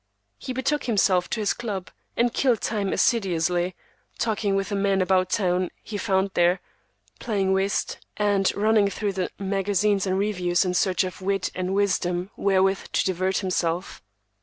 He betook himself to his club, and killed time assiduously, talking with the men about town he found there, playing whist, and running through the magazines and reviews in search of wit and wisdom wherewith to divert himself.